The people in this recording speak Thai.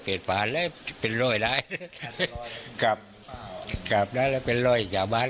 เปลี่ยนผ่านแล้วเป็นรอยร้ายกลับกลับนั้นแล้วเป็นรอยกลับบ้าน